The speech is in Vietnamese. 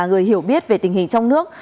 người hiểu biết về tình hình trong nước